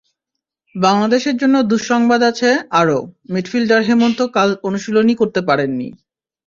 বাংলাদেশের জন্য দুঃসংবাদ আছে আরও, মিডফিল্ডার হেমন্ত কাল অনুশীলনই করতে পারেননি।